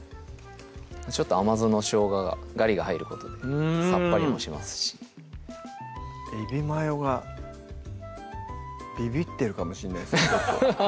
ちょっと甘酢のしょうががガリが入ることでさっぱりもしますしえびマヨがビビってるかもしんないですよ